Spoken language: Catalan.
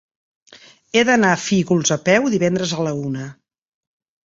He d'anar a Fígols a peu divendres a la una.